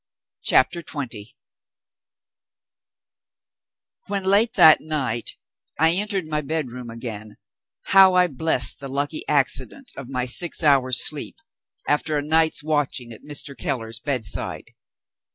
CHAPTER XX When, late that night, I entered my bedroom again, how I blessed the lucky accident of my six hours' sleep, after a night's watching at Mr. Keller's bedside!